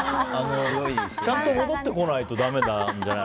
ちゃんと戻ってこないとだめなんじゃない？